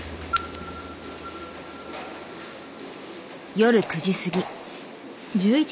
夜９時過ぎ。